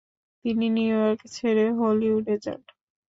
তিনি New York ছেড়ে হলিউডে যান।